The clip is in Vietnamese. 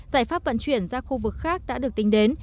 giải pháp vận chuyển ra khu vực khác đã được tính đến